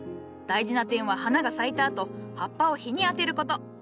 大事な点は花が咲いたあと葉っぱを日に当てる事。